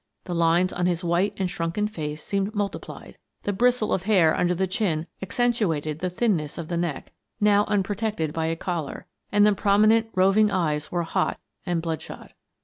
The lines on his white and shrunken face seemed multiplied, the bristle of hair under the chin accentuated the thinness of the neck, now unprotected by a collar, and the prom inent, roving eyes were hot and bloodshot.